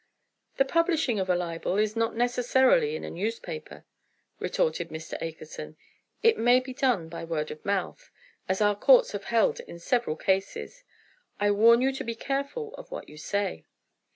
"The publishing of a libel is not necessarily in a newspaper," retorted Mr. Akerson. "It may be done by word of mouth, as our courts have held in several cases. I warn you to be careful of what you say."